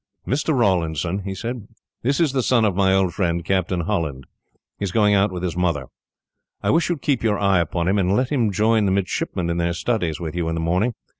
"Mr. Rawlinson," he said, "this is the son of my old friend, Captain Holland. He is going out with his mother. I wish you would keep your eye upon him, and let him join the midshipmen in their studies with you, in the morning.